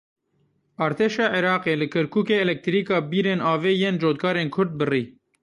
Artêşa Iraqê li Kerkûkê elektrîka bîrên avê yên cotkarên Kurd birî.